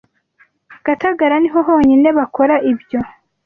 Gatagara niho honyine bakora ibyo